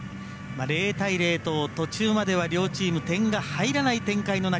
０対０と途中までは両チーム点が入らない展開の中